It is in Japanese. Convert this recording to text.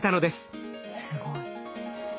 すごい。